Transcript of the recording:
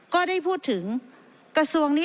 ก็ได้พูดถึงกระทรวงนี้